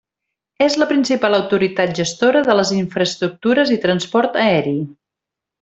És la principal autoritat gestora de les infraestructures i transport aeri.